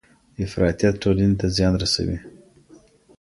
افراطیت ټولني ته زیان رسوي.